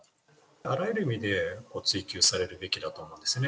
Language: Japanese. あらゆる意味で追及されるべきだと思うんですね。